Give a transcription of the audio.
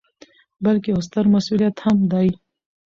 ، بلکې یو ستر مسؤلیت هم دی